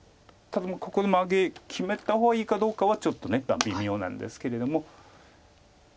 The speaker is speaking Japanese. ここでマゲ決めた方がいいかどうかはちょっと微妙なんですけれども。